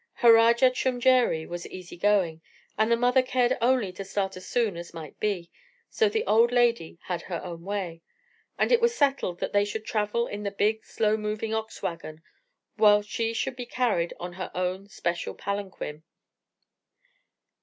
Harajar Chumjeree was easy going, and the mother cared only to start as soon as might be; so the old lady had her own way, and it was settled that they should travel in the big, slow moving ox wagon, while she should be carried in her own special palanquin.